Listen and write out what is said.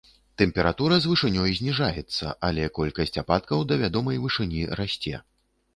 Тэмпература з вышынёй зніжаецца, але колькасць ападкаў да вядомай вышыні расце.